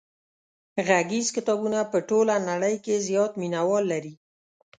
غږیز کتابونه په ټوله نړۍ کې زیات مینوال لري.